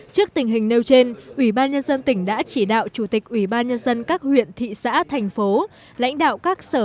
trước tình hình nêu trên ubnd tỉnh đã chỉ đạo chủ tịch ubnd các huyện thị xã thành phố